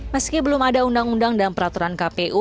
meski belum ada undang undang dan peraturan kpu